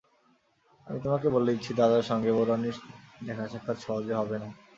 আমি তোমাকে বলে দিচ্ছি দাদার সঙ্গে বউরানীর দেখাসাক্ষাৎ সহজে হবে না।